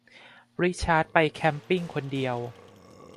ริชาร์ดไปแคมป์ปิ้งคนเดียว